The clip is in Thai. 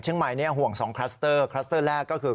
ใหม่ห่วง๒คลัสเตอร์คลัสเตอร์แรกก็คือ